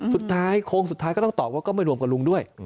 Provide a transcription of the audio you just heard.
โค้งสุดท้ายก็ต้องตอบว่าก็ไม่รวมกับลุงด้วย